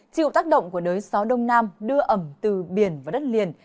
chịu tác động của đới gió đông nam đưa ẩm từ biển và đất liền